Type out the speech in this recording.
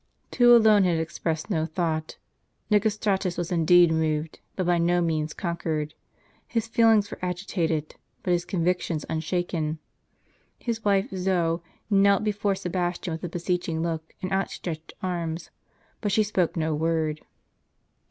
Two alone had expressed no thought. Nicostratus was indeed moved, but by no means conquered. His feelings were agitated, but his convictions unshaken. His wife, Zoe, knelt before Sebastian with a beseeching look and outstretched arms, but she spoke not a word.